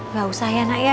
nggak usah ya nak ya